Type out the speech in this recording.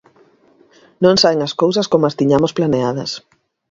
Non saen as cousas como as tiñamos planeadas.